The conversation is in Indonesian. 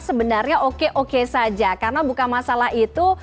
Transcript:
sebenarnya oke oke saja karena bukan masalah itu